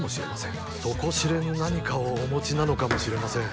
底知れぬ何かをお持ちなのかもしれません。